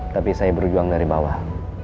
tapi saya berjuang dari bawah